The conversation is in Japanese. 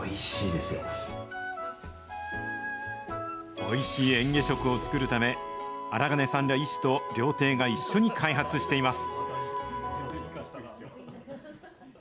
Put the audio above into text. おいしい嚥下食を作るため、荒金さんら医師と料亭が一緒に開発しています。